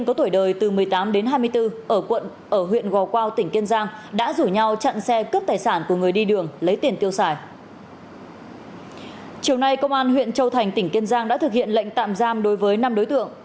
công an huyện châu thành tỉnh kiên giang đã thực hiện lệnh tạm giam đối với năm đối tượng